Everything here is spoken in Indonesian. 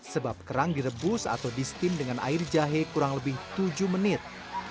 sebab kerang direbus atau di steam dengan air jahe kurang lebih tujuh menit